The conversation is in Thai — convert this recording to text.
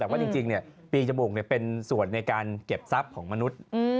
แต่ว่าจริงปีจมูกเป็นส่วนในการเก็บทรัพย์ของมนุษย์